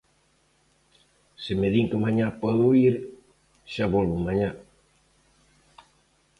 Se me din que mañá podo ir xa volvo mañá.